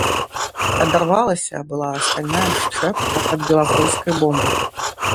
Адарвалася была стальная шчэпка ад белапольскай бомбы.